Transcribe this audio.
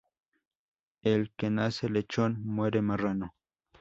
El que nace lechón, muere marrano